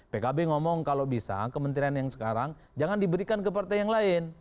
pkb ngomong kalau bisa kementerian yang sekarang jangan diberikan ke partai yang lain